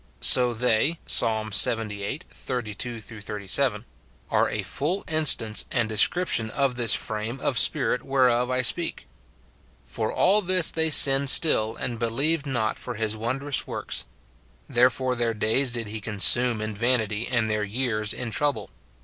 So they (Psa. Ixxviii. 32 37), are a full instance and description of this frame of spirit whereof I speak :" For all this they sinned still, and believed not for his wondrous works. Therefore their days did he consume in vanity, and their years in trouble.